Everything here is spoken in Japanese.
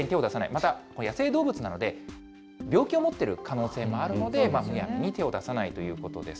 また野生動物なので病気を持っている可能性もあるので、むやみに手を出さないということです。